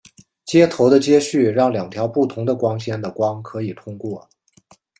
接头的接续让两条不同的光纤的光可以通过。